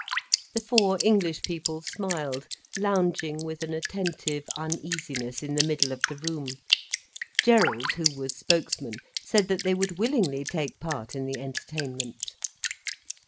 The four English people smiled, lounging with an attentive uneasiness in the middle of the room. Gerald, who was spokesman, said that they would willingly take part in the entertainment.